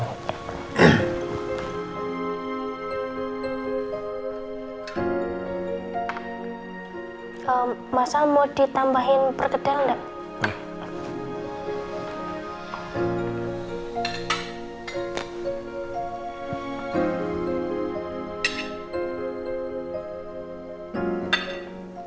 mas al mau ditambahin pergedel gak